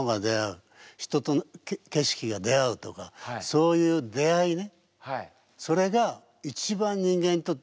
そういう出会いね。